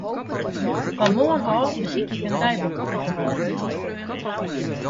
Fan moarn ôf besykje ik in deiboek by te hâlden.